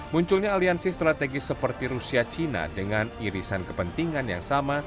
munculnya aliansi strategis seperti rusia cina dengan irisan kepentingan yang sama